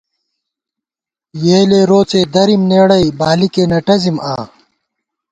یېلے روڅے دَرِم نېڑَئی، بالِکے نہ ٹَزِم آں